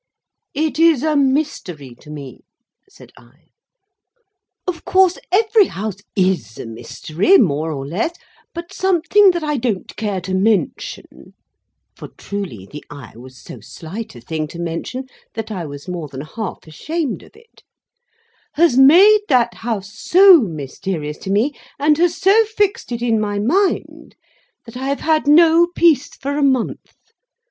"It is a mystery to me," said I. "Of course every house is a mystery, more or less; but, something that I don't care to mention" (for truly the Eye was so slight a thing to mention that I was more than half ashamed of it), "has made that House so mysterious to me, and has so fixed it in my mind, that I have had no peace for a month.